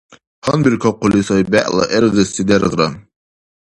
Гьанбиркахъули сай бегӀла гӀергъиси дергъра.